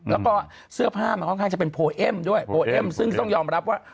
แล้วก็เสื้อผ้ามันค่อนข้างจะเป็นโพเอ็มด้วยโพเอ็มซึ่งต้องยอมรับว่า